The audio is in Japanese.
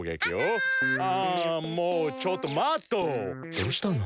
どうしたの？